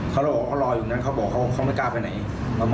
พวกมันด้วยไปแหละครับดีผม